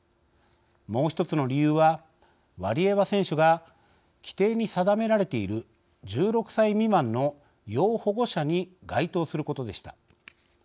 もう一つの理由はワリエワ選手が規定に定められている１６歳未満の要保護者に該当することでした。